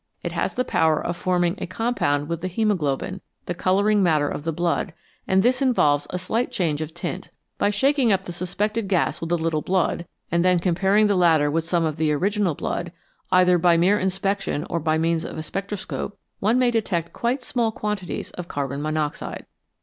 It has the power of forming a com pound with the haemoglobin, the colouring matter of the blood, and this involves a slight change of tint. By shaking up the suspected gas with a little blood, and then comparing the latter with some of the original blood, either by mere inspection or by means of a spectroscope, one may detect quite small quantities of carbon monoxide.